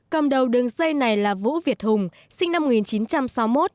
cầm đầu đường dây này là vũ việt hùng sinh năm một nghìn chín trăm sáu mươi một